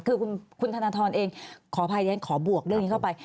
คือคุณธนทรเองขออภัยเรียนขอบวกเรื่องนี้เข้าไป